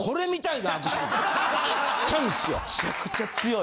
むちゃくちゃ強い。